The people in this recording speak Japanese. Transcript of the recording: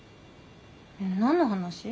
何の話？